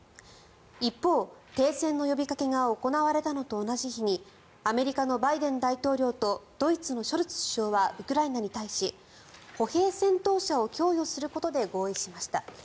一方、停戦の呼びかけが行われたのと同じ日にアメリカのバイデン大統領とドイツのショルツ首相はウクライナに対し歩兵戦闘車を供与することで合意しました。